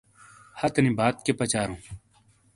ہاتینی بات کئیے پچاراوں ؟